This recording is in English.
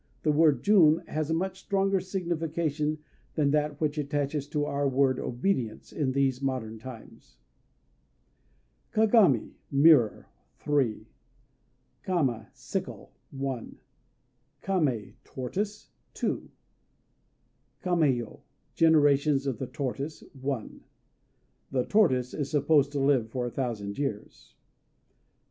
The word jun has a much stronger signification than that which attaches to our word "obedience" in these modern times. Kagami ("Mirror") 3 Kama ("Sickle") 1 Kamé ("Tortoise") 2 Kaméyo ("Generations of the Tortoise") 1 The tortoise is supposed to live for a thousand years.